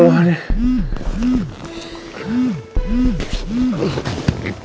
apa sih ini